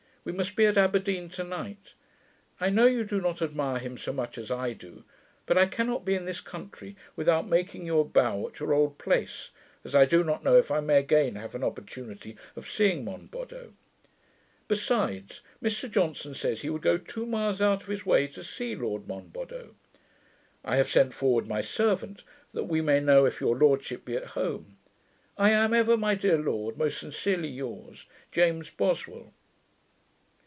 We must be at Aberdeen to night. I know you do not admire him so much as I do; but I cannot be in this country without making you a bow at your old place, as I do not know if I may again have an opportunity of seeing Monboddo. Besides, Mr Johnson says, he would go two miles out of his way to see Lord Monboddo. I have sent forward my servant, that we may know if your lordship be at home. I am ever, my dear lord, Most sincerely yours, James Boswell.